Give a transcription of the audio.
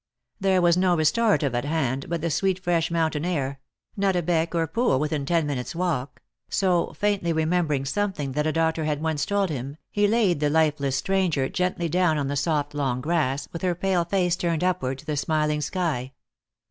There was no restorative at hand but the sweet fresh 'moun tain air — not a beck or pool within ten minutes' walk; so, faintly remembering something that a doctor had once told him, he laid the lifeless stranger gently down on the soft long grass, with her pale face turned upward to the smiling sky.